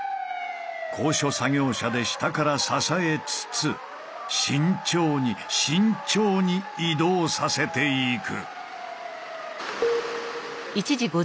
高所作業車で下から支えつつ慎重に慎重に移動させていく。